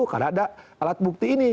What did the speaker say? karena ada alat bukti ini